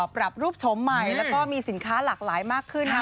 ปรับรูปชมใหม่แล้วก็มีสินค้าหลากหลายมากขึ้น